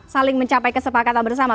saling mencapai kesepakatan bersama